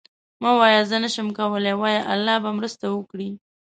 مه وایه زه نشم کولی، وایه الله به مرسته وکړي.